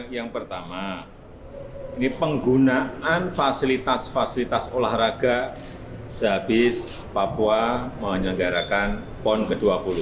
yang pertama ini penggunaan fasilitas fasilitas olahraga sehabis papua menyelenggarakan pon ke dua puluh